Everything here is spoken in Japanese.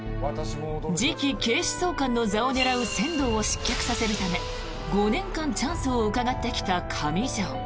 次期警視総監の座を狙う千堂を失脚させるため５年間チャンスをうかがってきた上條。